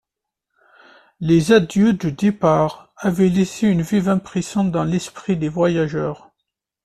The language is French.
Les adieux du départ avaient laissé une vive impression dans l’esprit des voyageurs.